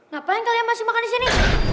ngapain kalian masih makan disini